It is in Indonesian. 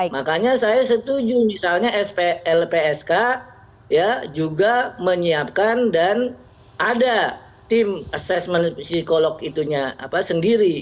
makanya saya setuju misalnya lpsk juga menyiapkan dan ada tim assessment psikolog itunya sendiri